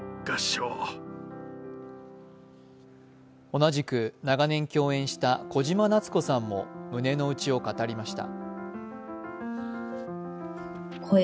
同じく、長年共演した小島奈津子さんも胸の内を語りました。